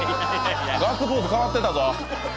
ガッツポーズ変わってたぞ。